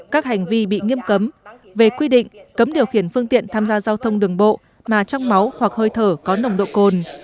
các hành vi bị nghiêm cấm về quy định cấm điều khiển phương tiện tham gia giao thông đường bộ mà trong máu hoặc hơi thở có nồng độ cồn